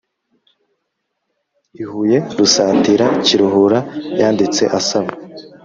I huye rusatira kiruhura yanditse asaba